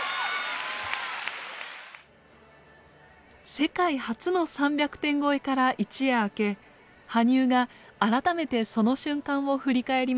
世界初の３００点超えから一夜明け羽生が改めてその瞬間を振り返りました。